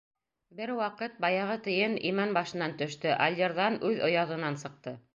Бер ваҡыт баяғы тейен имән башынан төштө, алйырҙан үҙ ояҙынан сыҡты.